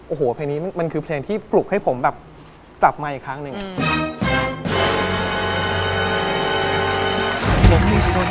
โอ้โหเพลงนี้มันคือเพลงที่ปลุกให้ผมแบบ